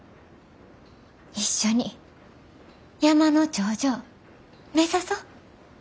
一緒に山の頂上目指そ。